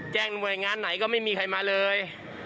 แจ้งบรรยายงานไหนก็ไม่มีใครมาเลย